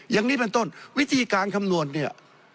อย่างนี้เป็นต้นวิธีการคำนวณเนี่ย